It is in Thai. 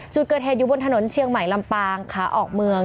จุดเกิดเหตุอยู่บนถนนเชียงใหม่ลำปางขาออกเมือง